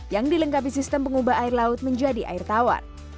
yang dilengkapi sistem pengubah air laut menjadi air tawar